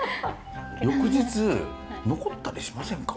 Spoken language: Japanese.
翌日残ったりしませんか？